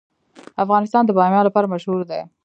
افغانستان د بامیان لپاره مشهور دی.